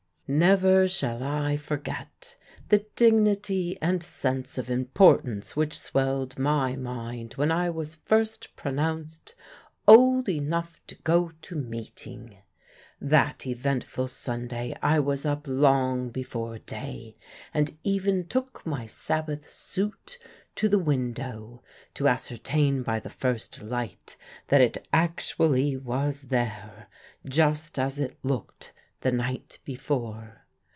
Never shall I forget the dignity and sense of importance which swelled my mind when I was first pronounced old enough to go to meeting. That eventful Sunday I was up long before day, and even took my Sabbath suit to the window to ascertain by the first light that it actually was there, just as it looked the night before.